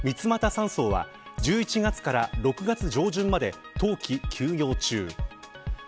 山荘は１１月から６月上旬まで冬季休業中。